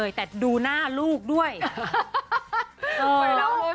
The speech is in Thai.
จแจ๊กริมจ